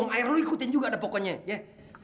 uang air lo ikutin juga dah pokoknya ye